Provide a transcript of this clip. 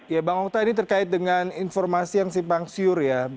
ya bang okta ini terkait dengan informasi yang si pang syur ya